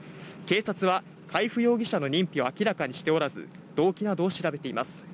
警察は海部容疑者の認否を明らかにしておらず、動機などを調べています。